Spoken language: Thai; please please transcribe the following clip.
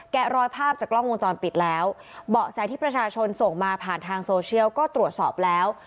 รอยภาพจากกล้องวงจรปิดแล้วเบาะแสที่ประชาชนส่งมาผ่านทางโซเชียลก็ตรวจสอบแล้ว